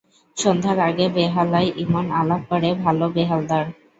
সন্ধ্যার আগে বেহালায় ইমন আলাপ করে, ভালো বেহালদার।